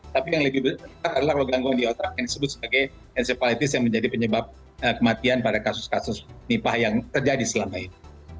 tapi yang lebih besar adalah kalau gangguan di otak yang disebut sebagai enceplitis yang menjadi penyebab kematian pada kasus kasus nipah yang terjadi selama ini